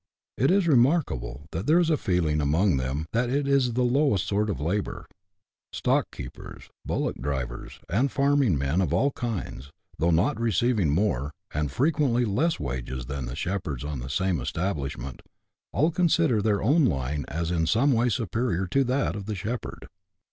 It is remarkable that there is a feeling among them that it is the lowest sort of labour : stock keepers, bullock drivers, and farming men of all kinds, though not receiving more, and frequently less wages than the shepherds on the same esta blishment, all consider their own line as in some way superior to that of the shepherd.